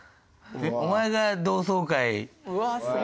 お前が同窓会ねっ。